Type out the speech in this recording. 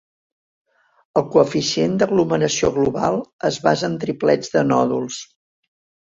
El coeficient d'aglomeració global es basa en triplets de nòduls.